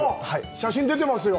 写真、出てますよ。